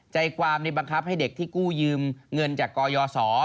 ใจความในบังคับให้เด็กที่กู้ยืมเงินจากกยศ